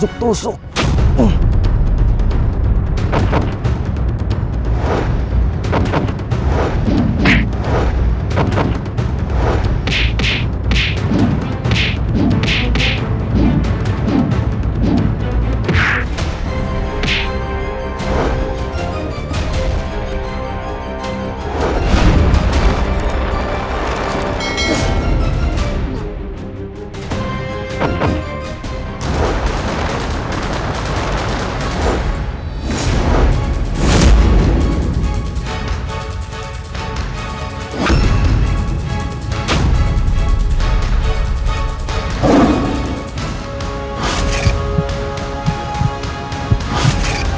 aku akan menangkapmu